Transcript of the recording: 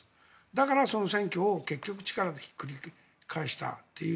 だから、その選挙を結局力でひっくり返したという。